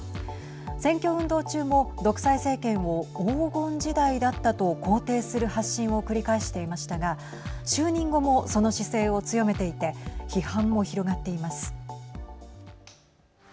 選挙運動中も独裁政権を黄金時代だったと肯定する発信を繰り返していましたが就任後もその姿勢を強めていて批判も広がっています。